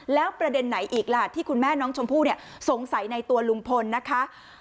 แล้วประเด็นไหนอีกล่ะที่คุณแม่น้องชมพู่สงสัยในตัวลุงพลนะคะ